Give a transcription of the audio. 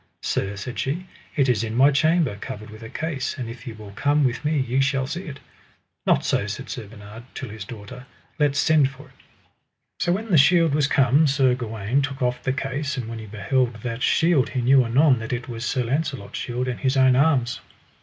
Sir, said she, it is in my chamber, covered with a case, and if ye will come with me ye shall see it. Not so, said Sir Bernard till his daughter, let send for it. So when the shield was come, Sir Gawaine took off the case, and when he beheld that shield he knew anon that it was Sir Launcelot's shield, and his own arms.